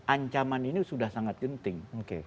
ancaman ini sudah sangat genting